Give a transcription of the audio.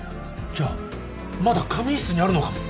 じゃあまだ仮眠室にあるのかも。